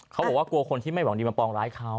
เขาบอกว่ากลัวคนที่ไม่หวังดีมาปองร้ายเขา